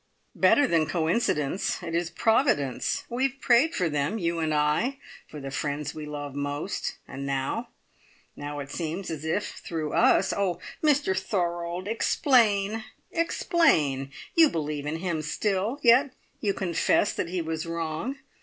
"Better than coincidence! It is Providence. We have prayed for them, you and I, for the friends we love most, and now now it seems as if through us Oh, Mr Thorold, explain! Explain! You believe in him still, yet you confess that he was wrong.